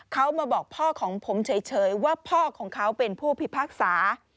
เขามาบอกพ่อของผมเฉยว่าพ่อของเขาเป็นผู้พิพากษา